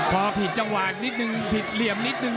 พอผิดจังหวะนิดนึงผิดเหลี่ยมนิดนึง